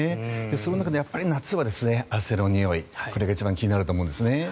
その中でやっぱり夏は汗のにおいこれが一番気になると思うんですね。